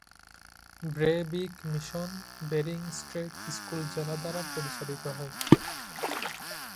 Brevig Mission Bering Strait School জেলা দ্বারা পরিচালিত হয়।